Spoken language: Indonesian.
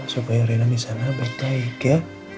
supaya rena di sana baik baik ya